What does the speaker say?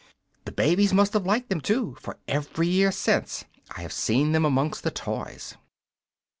The babies must have liked them, too, for every year since I have seen them amongst the toys.